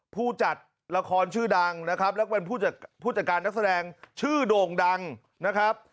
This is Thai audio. ผู้จัดละครชื่อดังนะครับแล้วก็เป็นผู้จัดการนักแสดงชื่อโด่งดังนะครับ